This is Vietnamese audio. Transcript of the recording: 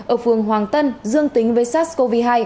ở phường hoàng tân dương tính với sars cov hai